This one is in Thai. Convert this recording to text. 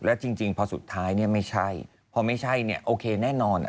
แล้วจริงพอสุดท้ายไม่ใช่พอไม่ใช่โอเคแน่นอน